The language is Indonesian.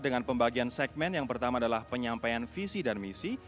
dengan pembagian segmen yang pertama adalah penyampaian visi dan misi